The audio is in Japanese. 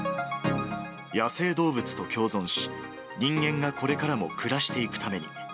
野生動物と共存し、人間がこれからも暮らしていくために。